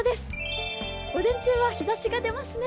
午前中は日ざしが出ますね。